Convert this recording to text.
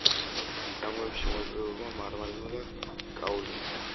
მიდამოებში მოიპოვება მარმარილო და კაოლინი.